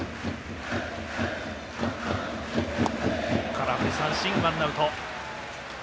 空振り三振、ワンアウト。